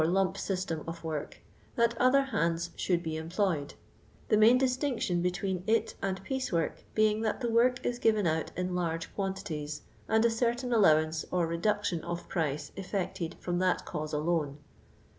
lump system of work, that other hands should be employed : the main distinction between it and piece work being that the work is given out in large quantities, and a certain allowance or reduc tion of price effected from that cause alone.